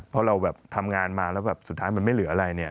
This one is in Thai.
เพราะเราทำงานมาแล้วสุดท้ายมันไม่เหลืออะไร